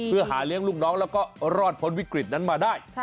เพื่อหาเลี้ยงลูกน้องแล้วก็รอดพ้นวิกฤตนั้นมาได้